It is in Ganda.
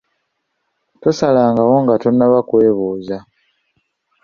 Tosalangawo nga tonnaba kwebuuza.